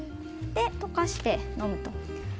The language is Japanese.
溶かして飲むと。